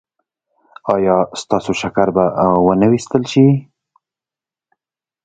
ایا ستاسو شکر به و نه ویستل شي؟